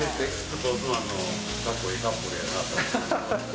スポーツマンのかっこいいカップルやなと。